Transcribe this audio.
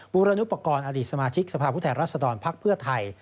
บูรณุปกรอดีตสมาชิกสภาพพุทธแห่งรัฐธรรมน์ภักดิ์เพื่อไทย